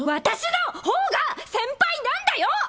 私の方が先輩なんだよ！